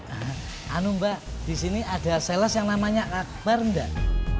hah anu mbak disini ada sales yang namanya akbar enggak